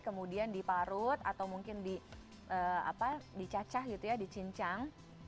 kemudian diparut atau mungkin dicacah gitu ya dicincang